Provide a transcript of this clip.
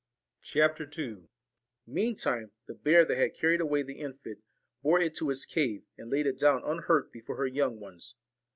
CHAPTER II MEANTIME the bear that had carried away the infant, bore it to its cave, and laid it down unhurt before her young ones.